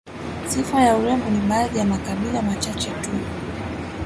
Sifa ya urembo ni baadhi ya makabila machache tu